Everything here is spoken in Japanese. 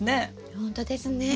ほんとですね。